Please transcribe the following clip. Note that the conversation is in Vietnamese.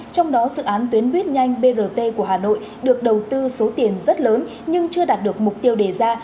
trong đó dự án tuyến buýt nhanh brt của hà nội được đầu tư số tiền rất lớn nhưng chưa đạt được mục tiêu đề ra